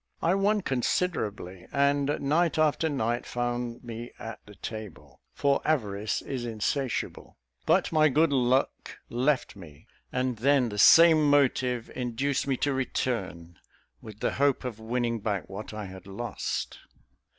I won considerably; and night after night found me at the table for avarice is insatiable; but my good luck left me: and then the same motive induced me to return, with the hope of winning back what I had lost.